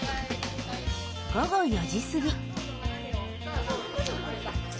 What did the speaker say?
午後４時過ぎ。